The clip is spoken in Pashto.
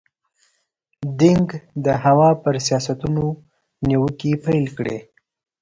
دینګ د هوا پر سیاستونو نیوکې پیل کړې.